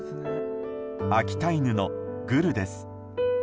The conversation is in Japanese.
秋田犬のグルです。